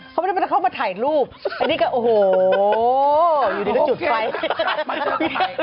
เขาไม่ได้เข้ามาถ่ายรูปอันนี้ก็โอ้โหอยู่ดีก็จุดไฟ